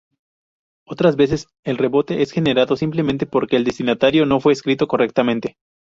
Otras veces, el rebote es generado simplemente porque el destinatario no fue escrito correctamente.